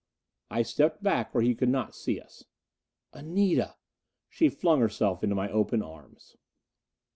I stepped back where he could not see us. "Anita!" She flung herself into my opened arms.